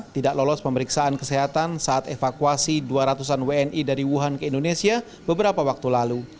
tidak lolos pemeriksaan kesehatan saat evakuasi dua ratus an wni dari wuhan ke indonesia beberapa waktu lalu